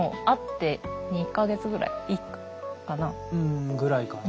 んぐらいかな。